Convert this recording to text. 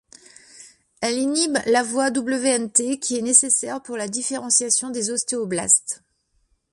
Elle inhibe la voie Wnt qui est nécessaire pour la différenciation des ostéoblastes.